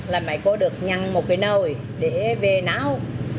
là mẹ cô được nhăn một cái nồi để về nấu